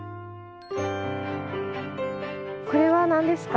これは何ですか？